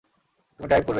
তুমি ড্রাইভ করবে?